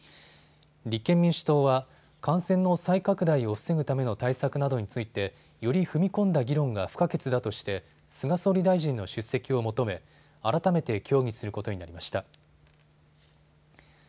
立憲民主党は感染の再拡大を防ぐための対策などについてより踏み込んだ議論が不可欠だとして菅総理大臣の出席を求め改めて協議することになりました。